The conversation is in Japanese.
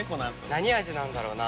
何味なんだろうな？